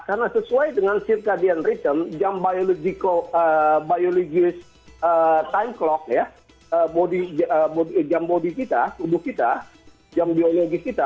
karena sesuai dengan circadian rhythm jam biologis time clock jam bodi kita tubuh kita jam biologis kita